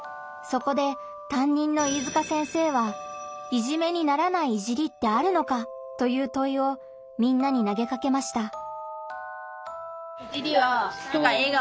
そこでたんにんの飯塚先生は「“いじめ”にならない“いじり”ってあるのか？」というといをみんなに投げかけました。